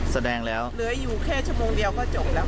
แสดงแล้วเหลืออยู่แค่ชั่วโมงเดียวก็จบแล้ว